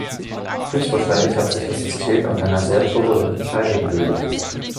Höchstwahrscheinlich hat sich das System in einer sehr turbulenten Scheibe gebildet.